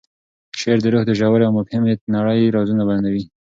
شعر د روح د ژورې او مبهمې نړۍ رازونه بیانوي.